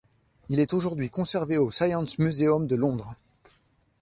Il est aujourd’hui conservé au Science Museum de Londres.